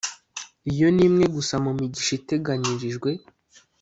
Iyo ni imwe gusa mu migisha iteganyirijwe